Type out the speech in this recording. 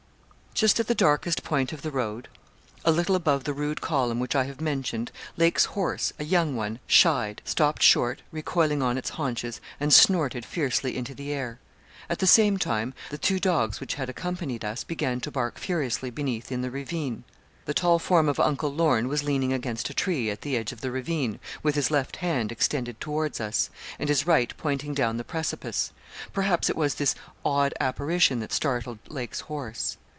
Just at the darkest point of the road, a little above the rude column which I have mentioned, Lake's horse, a young one, shied, stopped short, recoiling on its haunches, and snorted fiercely into the air. At the same time, the two dogs which had accompanied us began to bark furiously beneath in the ravine. The tall form of Uncle Lorne was leaning against a tree at the edge of the ravine, with his left hand extended towards us, and his right pointing down the precipice. Perhaps it was this odd apparition that startled Lake's horse.